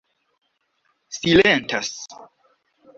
silentas